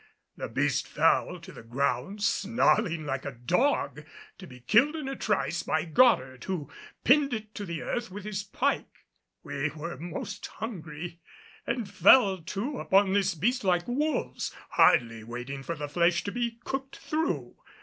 The beast fell to the ground snarling like a dog, to be killed in a trice by Goddard, who pinned it to the earth with his pike. We were most hungry and fell to upon this beast like wolves, hardly waiting for the flesh to be cooked through.